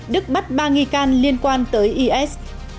đức bắt ba nghi can liên quan tới is